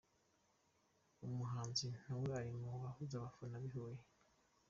Umuhanzi nawe ari mu baguze abafana b’i Huye.